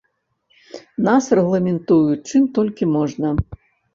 Нас рэгламентуюць чым толькі можна.